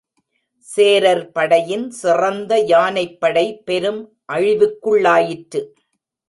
சேரர் படையின் சிறந்த யானைப்படை பெரும் அழிவுக்குள்ளாயிற்று.